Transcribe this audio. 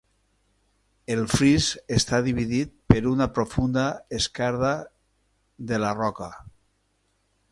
El fris està dividit per una profunda esquerda de la roca.